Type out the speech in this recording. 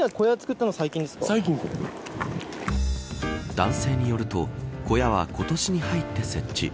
男性によると小屋は今年に入って設置。